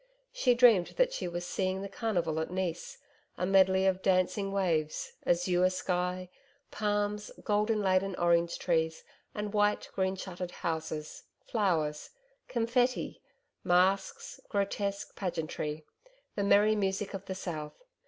She dreamed that she was seeing the Carnival at Nice a medley of dancing waves, azure sky, palms, gold laden orange trees and white green shuttered houses flowers, CONFETTI, masks, grotesque pageantry, the merry music of the South.